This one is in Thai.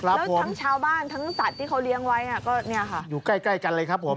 แล้วทั้งชาวบ้านทั้งสัตว์ที่เขาเลี้ยงไว้ก็เนี่ยค่ะอยู่ใกล้กันเลยครับผม